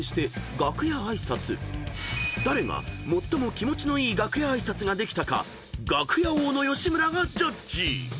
［誰が最も気持ちのいい楽屋挨拶ができたか楽屋王の吉村がジャッジ］